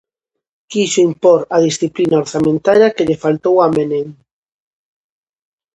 Quixo impor a disciplina orzamentaria que lle faltou a Menem.